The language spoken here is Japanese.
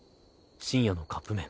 深夜のカップ麺。